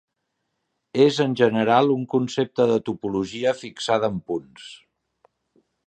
És, en general, un concepte de topologia fixada en punts.